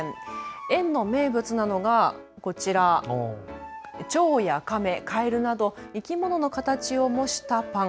園の名物なのがこちら、チョウやカメ、カエルなど生き物の形を模したパン。